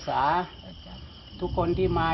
ที่สุดท้าย